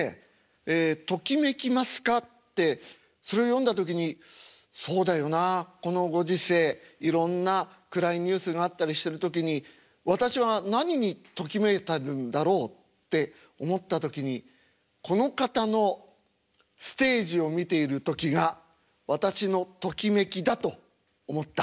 ええ「ときめきますか？」ってそれを読んだ時に「そうだよな。このご時世いろんな暗いニュースがあったりしてる時に私は何にときめいてるんだろう」って思った時にこの方のステージを見ている時が私のときめきだと思った。